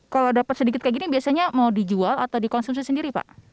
kalau dapat sedikit kayak gini biasanya mau dijual atau dikonsumsi sendiri pak